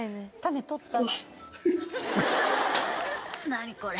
何これ。